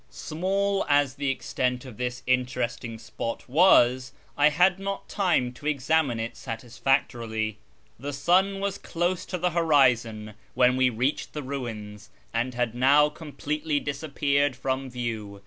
Small as the extent of this interesting spot was, I had not time to examine it satisfactorily. The sun was close to the horizon when we reached the ruins, and had now completely disappeared from view.